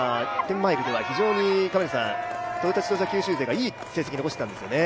マイルでは非常にトヨタ自動車九州勢がいい成績残したんですね。